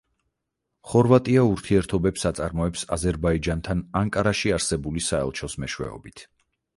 ხორვატია ურთიერთობებს აწარმოებს აზერბაიჯანთან ანკარაში არსებული საელჩოს მეშვეობით.